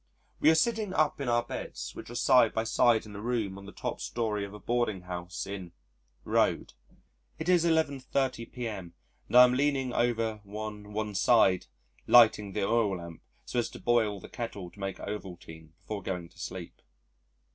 We are sitting up in our beds which are side by side in a room on the top story of a boarding house in Road. It is 11.30 p.m. and I am leaning over one one side lighting the oil lamp so as to boil the kettle to make Ovaltine before going to sleep.